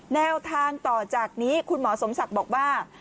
แนวทางต่อจากนี้คุณหมอสมศักดิ์บอกว่า